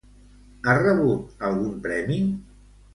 Ha rebut algun premi?